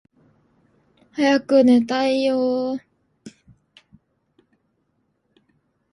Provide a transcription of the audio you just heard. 早く寝たいよーー